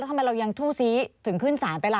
ทำไมเรายังทู่ซี้ถึงขึ้นศาลไปล่ะ